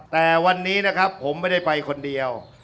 แต่วันนี้นะครับผมไม่ได้ไปคนเดียว